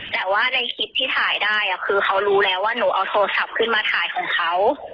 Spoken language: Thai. แต่ว่าในคลิปที่ถ่ายได้คือเขารู้แล้วว่าหนูเอาโทรศัพท์ขึ้นมาถ่ายของเขา